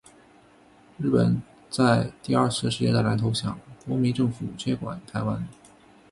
日本在第二次世界大战投降，国民政府接管台湾。